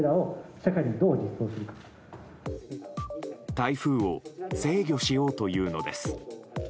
台風を制御しようというのです。